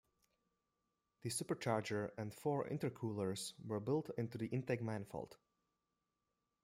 The supercharger and four intercoolers were built into the intake manifold.